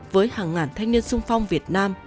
với hàng ngàn thanh niên sung phong việt nam